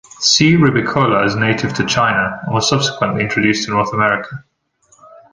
C. ribicola is native to China, and was subsequently introduced to North America.